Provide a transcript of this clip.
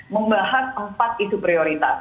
membahas empat isu prioritas